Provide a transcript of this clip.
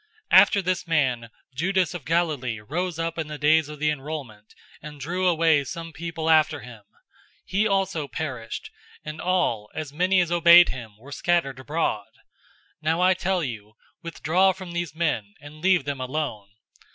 005:037 After this man, Judas of Galilee rose up in the days of the enrollment, and drew away some people after him. He also perished, and all, as many as obeyed him, were scattered abroad. 005:038 Now I tell you, withdraw from these men, and leave them alone.